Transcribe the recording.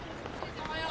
おはよう。